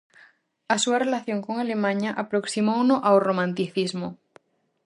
A súa relación con Alemaña aproximouno ao romanticismo.